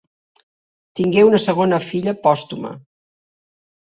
Tingué una segona filla pòstuma.